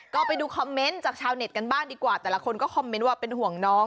ก็ไปดูคอมเมนต์จากชาวเน็ตกันบ้างดีกว่าแต่ละคนก็คอมเมนต์ว่าเป็นห่วงน้อง